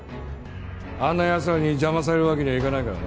あんな奴らに邪魔されるわけにはいかないからな。